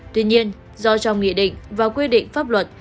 tuy nhiên do trong nghị định và quy định pháp luật